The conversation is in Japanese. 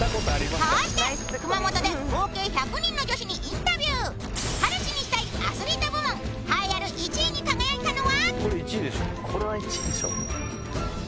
こうして熊本で合計１００人の女子にインタビュー彼氏にしたいアスリート部門栄えある１位に輝いたのは？